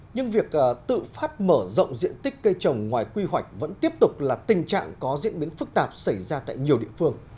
nhưng việc tự phát mở rộng diện tích cây trồng ngoài quy hoạch vẫn tiếp tục là tình trạng có diễn biến phức tạp xảy ra tại nhiều địa phương